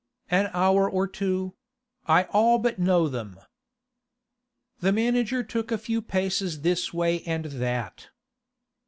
'An hour or two; I all but know them.' The manager took a few paces this way and that.